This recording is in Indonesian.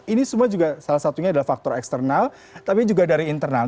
ini semua juga salah satunya adalah faktor eksternal tapi juga dari internal